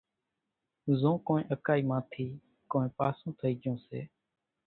زو ڪونئين اڪائِي مان ٿِي ڪونئين پاسُون ٿئِي جھون سي